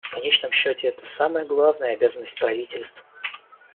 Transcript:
В конечном счете, это самая главная обязанность правительств.